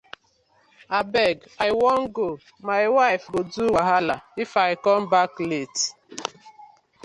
Abeg I wan go, my wife go do wahala If com back late.